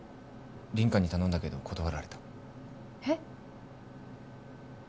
花に頼んだけど断られたえっ？